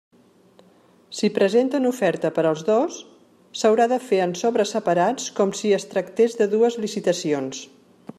Si presenten oferta per als dos, s'haurà de fer en sobres separats com si es tractés de dues licitacions.